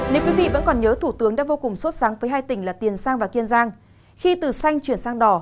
nếu quý vị vẫn còn nhớ thủ tướng đã vô cùng sốt sáng với hai tỉnh là tiền sang và kiên giang khi từ xanh chuyển sang đỏ